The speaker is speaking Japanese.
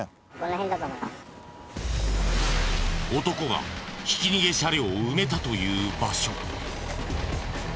男がひき逃げ車両を埋めたという場所。